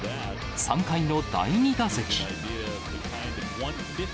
３回の第２打席。